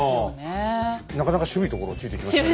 いやなかなか渋いところをついてきましたね。